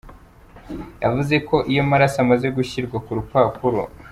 yavuze ko iyo amaraso amaze gushyirwa ku rupapuro.